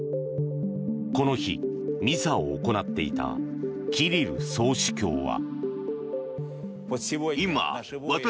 この日、ミサを行っていたキリル総主教は。